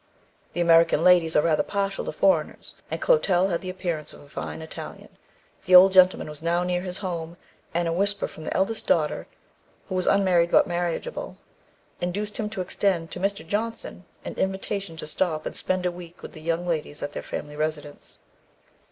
The American ladies are rather partial to foreigners, and Clotel had the appearance of a fine Italian. The old gentleman was now near his home, and a whisper from the eldest daughter, who was unmarried but marriageable, induced him to extend to "Mr. Johnson" an invitation to stop and spend a week with the young ladies at their family residence.